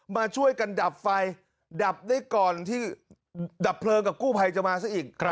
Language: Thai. มาช่วยกันดับไฟดับได้ก่อนที่ดับเพลิงกับกู้ภัยจะมาซะอีก